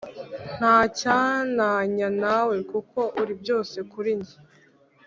Ntacyantanya nawe kuko uribyose kurinjye